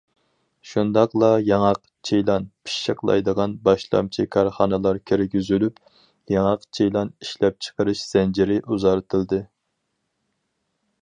شۇنداقلا ياڭاق، چىلان پىششىقلايدىغان باشلامچى كارخانىلار كىرگۈزۈلۈپ، ياڭاق، چىلان ئىشلەپچىقىرىش زەنجىرى ئۇزارتىلدى.